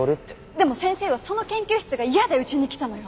でも先生はその研究室が嫌でうちに来たのよ。